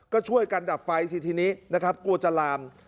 ก็ช่วยกันดับไฟสิทีนี้นะครับกลัวจะลาม